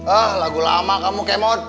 ah lagu lama kamu kemot